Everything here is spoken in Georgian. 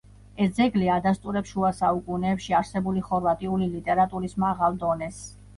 ეს ძეგლი ადასტურებს შუასაუკუნეებში არსებული ხორვატიული ლიტერატურის მაღალ დონეს.